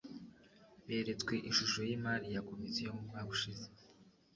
Beretswe ishusho y’imari ya Komisiyo mu mwaka ushize